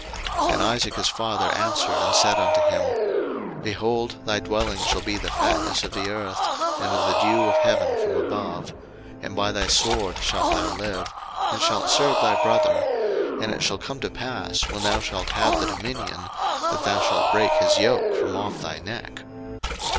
01:027:039 And Isaac his father answered and said unto him, Behold, thy dwelling shall be the fatness of the earth, and of the dew of heaven from above; 01:027:040 And by thy sword shalt thou live, and shalt serve thy brother; and it shall come to pass when thou shalt have the dominion, that thou shalt break his yoke from off thy neck.